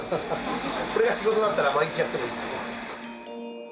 これが仕事だったら毎日やってもいいんですけど。